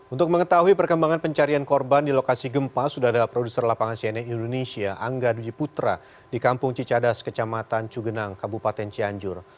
untuk mengetahui perkembangan pencarian korban di lokasi gempa sudah ada produser lapangan cnn indonesia angga dwi putra di kampung cicadas kecamatan cugenang kabupaten cianjur